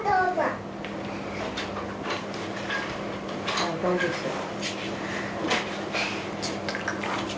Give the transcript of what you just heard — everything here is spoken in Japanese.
さあどうでしょう。